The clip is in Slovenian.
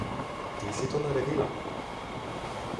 Ti si to naredila?